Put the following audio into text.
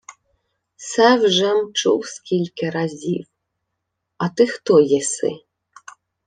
— Се вже-м чув скільки разів. А ти хто єси?